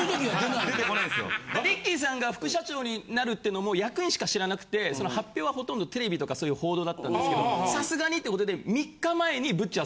リッキーさんが副社長になるってのも役員しか知らなくて発表はほとんどテレビとかそういう報道だったんですけどさすがにって事で。